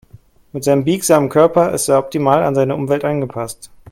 Mit seinem biegsamen Körper ist er optimal an seine Umwelt angepasst.